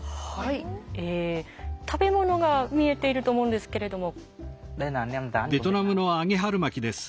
食べ物が見えていると思うんですけれども。